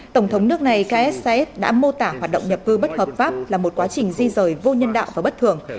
tổng thống nước này ks đã mô tả hoạt động nhập cư bất hợp pháp là một quá trình di rời vô nhân đạo và bất thường